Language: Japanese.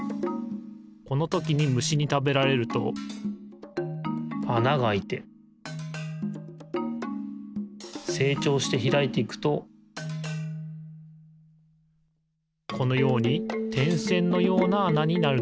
このときにむしにたべられるとあながあいてせいちょうしてひらいていくとこのようにてんせんのようなあなになるのです